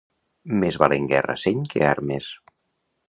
Més val en guerra seny que armes.